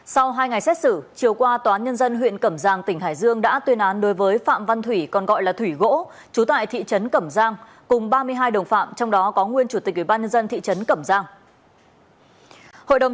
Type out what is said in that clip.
sau hai ngày xét xử chiều qua toán nhân dân huyện cẩm giang tỉnh hải dương đã tuyên án đối với phạm văn thủy còn gọi là thủy gỗ trú tại thị trấn cẩm giang cùng ba mươi hai đồng phạm trong đó có nguyên chủ tịch ubnd thị trấn cẩm giang